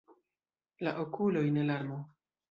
La okuloj ne larmo.